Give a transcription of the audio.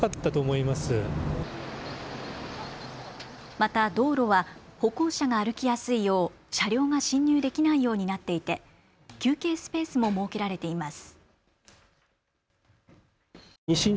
また道路は歩行者が歩きやすいよう車両が進入できないようになっていて休憩スペースも設けられています。